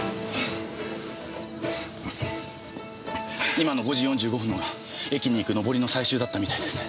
今の５時４５分のが駅に行く上りの最終だったみたいですね。